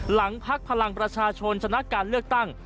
พักพลังประชาชนชนะการเลือกตั้ง